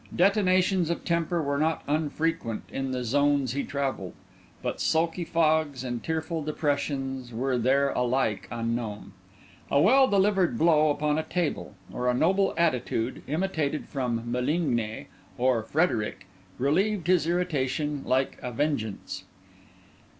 Detonations of temper were not unfrequent in the zones he travelled; but sulky fogs and tearful depressions were there alike unknown. A well delivered blow upon a table, or a noble attitude, imitated from Mélingne or Frederic, relieved his irritation like a vengeance.